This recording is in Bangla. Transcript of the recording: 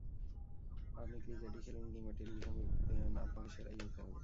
আপনি ক্রিকেটই খেলুন কিংবা টেলিভিশন ব্যক্তিত্বই হোন, আপনাকে সেরাই হতে হবে।